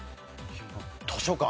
図書館。